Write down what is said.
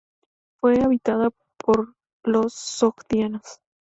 Fue habitada por los sogdianos.